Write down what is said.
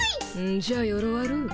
んじゃよろわる。